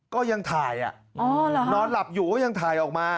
ก็ยังถ่ายนอนหลับอยู่ก็ยังถ่ายออกมา